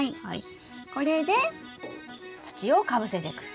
これで土をかぶせてく。